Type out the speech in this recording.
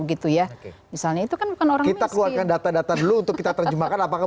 gitu ya misalnya itu kan kita keluarkan data data dulu untuk kita terjemahkan apakah